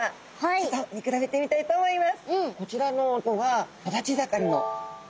ちょっと見比べてみたいと思います。